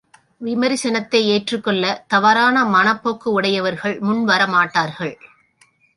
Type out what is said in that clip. விமரிசனத்தை ஏற்றுக் கொள்ள தவறான மனப்போக்குடையவர்கள் முன்வர மாட்டார்கள்.